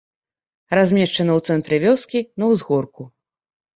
Размешчана ў цэнтры вёскі, на ўзгорку.